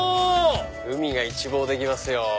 海が一望できますよ